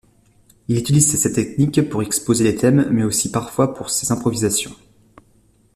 Il utilise cette technique pour exposer les thèmes mais aussi parfois pour ses improvisations.